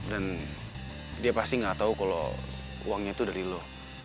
dan dia pasti gak tau kalo uangnya itu dari lo